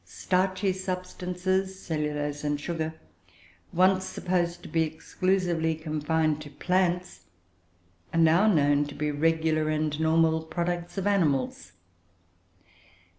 Starchy substances, cellulose and sugar, once supposed to be exclusively confined to plants, are now known to be regular and normal products of animals.